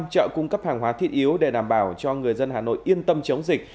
bốn trăm năm mươi năm chợ cung cấp hàng hóa thiết yếu để đảm bảo cho người dân hà nội yên tâm chống dịch